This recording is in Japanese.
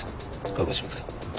確保しますか？